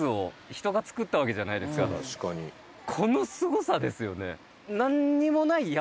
このすごさですよね。